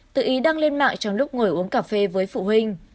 tự ý đăng lên mạng trong lúc ngồi uống cà phê với phụ huynh